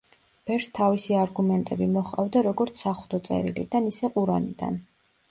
ბერს თავისი არგუმენტები მოჰყავდა როგორც საღვთო წერილიდან, ისე ყურანიდან.